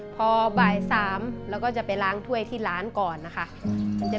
พอบ่าย๓เราก็จะไปล้างถ้วยที่ร้านก่อนนะคะ